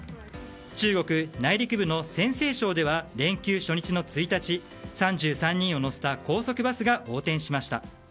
中国内陸部の陝西省では連休初日の１日３３人を乗せた高速バスが横転しました。